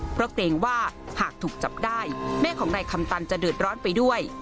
เพราะเกรงว่าหากถูกจับได้แม่ของนายคำตันจะเดือดร้อนไปด้วย